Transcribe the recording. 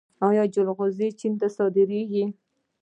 آیا جلغوزي چین ته صادریږي؟